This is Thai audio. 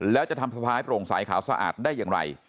แล้วจะทำสะพายโปร่งใสขาวสะอาดได้อย่างไร